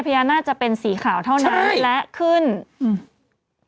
แต่มนุสชาติเธอบอกถ้าเธอได้ยินเสียง